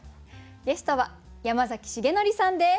ゲストは山崎樹範さんです。